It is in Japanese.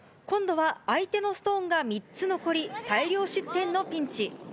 今度は相手のストーンが３つ残り、大量失点のピンチ。